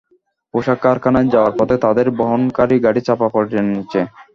পোশাক কারখানায় যাওয়ার পথে তাঁদের বহনকারী গাড়ি চাপা পড়ে ট্রেনের নিচে।